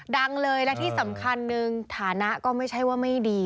ดังเลยและที่สำคัญหนึ่งฐานะก็ไม่ใช่ว่าไม่ดี